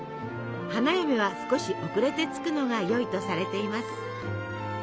花嫁は少し遅れて着くのがよいとされています。